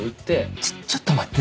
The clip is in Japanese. ちょっと待って。